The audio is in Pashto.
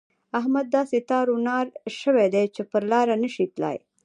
احمد داسې تار و نار شوی دی چې پر لاره نه شي تلای.